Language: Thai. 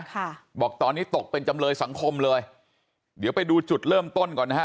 ค่ะบอกตอนนี้ตกเป็นจำเลยสังคมเลยเดี๋ยวไปดูจุดเริ่มต้นก่อนนะฮะ